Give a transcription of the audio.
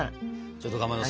ちょっとかまどさ。